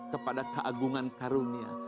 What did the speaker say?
kepada keagungan karunia